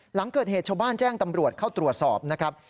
หลังเกิดเหตุชาวบ้านแจ้งตำรวจเข้าตรวจสอบนะครับ